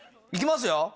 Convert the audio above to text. いきますよ。